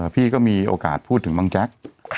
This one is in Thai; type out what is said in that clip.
พี่ก็มีโอกาสพูดถึงบางแจ๊ก